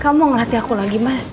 kamu ngelatih aku lagi mas